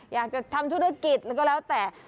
อยากจะทำธุรกิจอะไรก็แล้วแต่